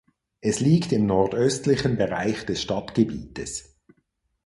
Es liegt im nordöstlichen Bereich des Stadtgebietes.